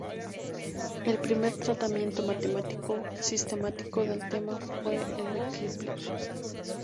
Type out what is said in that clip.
El primer tratamiento matemático sistemático del tema fue el de Kepler.